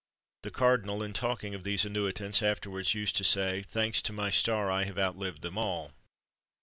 The cardinal, in talking of these annuitants, afterwards used to say, "Thanks to my star, I have outlived them all!"